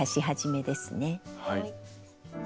はい。